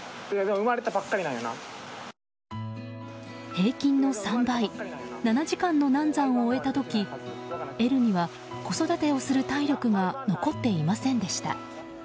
平均の３倍７時間の難産を終えた時エルには子育てをする体力が残っていませんでした。